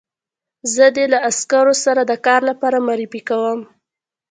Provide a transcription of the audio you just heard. زه دې له عسکرو سره د کار لپاره معرفي کوم